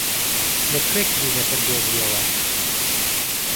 لەکوێ کلیلەکەت دۆزییەوە؟